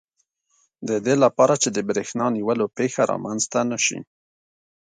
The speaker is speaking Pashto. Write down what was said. د دې لپاره چې د بریښنا نیولو پېښه رامنځته نه شي.